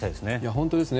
本当ですね。